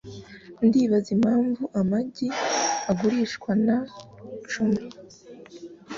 Ndibaza impamvu amagi agurishwa na cumi.